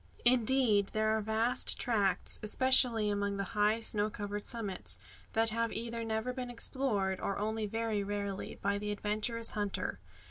Indeed, there are vast tracts, especially among the high snow covered summits, that have either never been explored, or only very rarely, by the adventurous hunter.